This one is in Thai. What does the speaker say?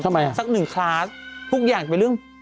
ทำไมอ่ะสักหนึ่งคลาสทุกอย่างเป็นเรื่อง